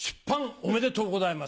おめでとうございます。